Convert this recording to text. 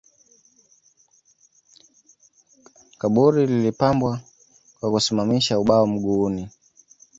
Kaburi lilipambwa kwa kusimamisha ubao mguuni